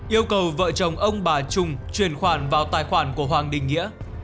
yêu cầu vợ chồng ông bà trung chuyển khoản vào tài khoản của hoàng đình nghĩa